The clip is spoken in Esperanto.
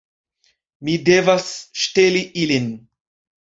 Mi devas ŝteli ilin